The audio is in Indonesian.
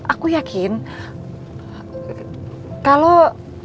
aku yakin kalau